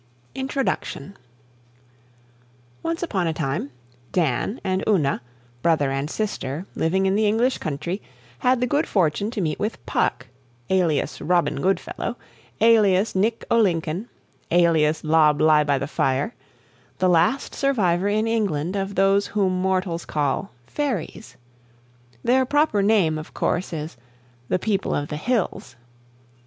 Introduction Once upon a time, Dan and Una, brother and sister, living in the English country, had the good fortune to meet with Puck, alias Robin Goodfellow, alias Nick o' Lincoln, alias Lob lie by the Fire, the last survivor in England of those whom mortals call Fairies. Their proper name, of course, is 'The People of the Hills'.